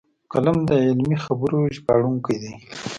قلم د علمي خبرو ژباړونکی دی